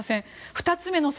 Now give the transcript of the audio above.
２つ目の説。